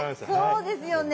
そうですよね。